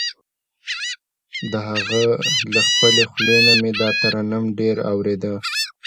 د هغه له خپلې خولې نه مې دا ترنم ډېر اورېده.